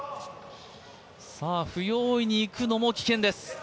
不用意にいくのも危険です。